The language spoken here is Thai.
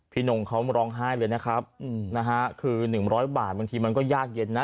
พี่หนุ่มเขาร้องไห้เลยนะครับอืมนะฮะคือหนึ่งร้อยบาทบางทีมันก็ยากเย็นน่ะ